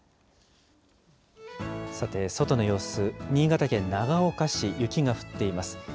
さて、外の様子、新潟県長岡市、雪が降っています。